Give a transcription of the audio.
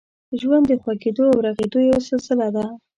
ژوند د خوږېدو او رغېدو یوه سلسله ده.